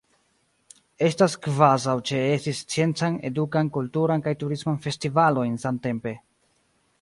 Estas kvazaŭ ĉeesti sciencan, edukan, kulturan kaj turisman festivalojn samtempe.